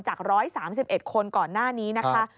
จาก๑๓๑คนก่อนหน้านี้นะคะ